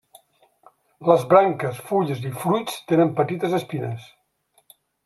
Les branques, fulles i fruits tenen petites espines.